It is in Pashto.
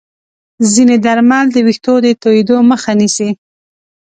ځینې درمل د ویښتو د توییدو مخه نیسي.